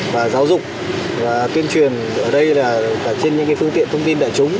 và giáo dục và tuyên truyền ở đây là cả trên những cái phương tiện thông tin đại chúng